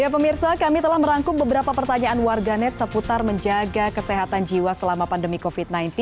pemirsa kami telah merangkum beberapa pertanyaan warganet seputar menjaga kesehatan jiwa selama pandemi covid sembilan belas